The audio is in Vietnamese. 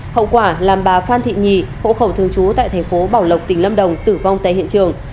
hậu quả làm bà phan thị nhì hộ khẩu thương chú tại tp bảo lộc tỉnh lâm đồng tử vong tại hiện trường